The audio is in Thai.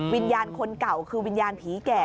วิญญาณคนเก่าคือวิญญาณผีแก่